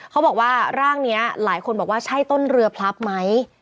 เขาบอกว่าร่างนี้หลายคนบอกว่าใช่ต้นเรือพลับไหม